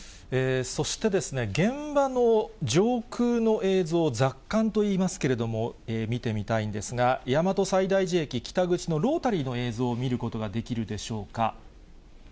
そしてですね、現場の上空の映像を雑感といいますけれども、見てみたいんですが、大和西大寺駅北口のロータリーの映像を見ることができるでしょうか。